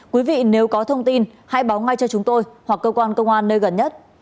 quý vị nếu có thông tin hãy báo ngay cho chúng tôi hoặc cơ quan công an nơi gần nhất